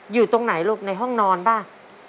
อยู่ตรงไหนลูกในห้องนอนป่ะ